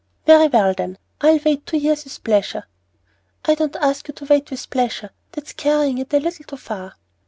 "Very well, then; I'll wait two years with pleasure." "I don't ask you to wait with pleasure! That's carrying it a little too far!"